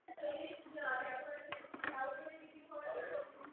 Jeho slibně se rozvíjející kariéru však zastavilo zranění.